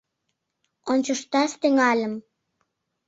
Ончышташ тӱҥальым.